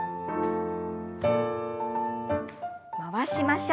回しましょう。